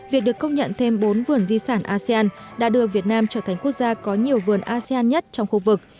việc được công nhận thêm bốn vườn di sản asean đã đưa việt nam trở thành quốc gia có nhiều vườn asean nhất trong khu vực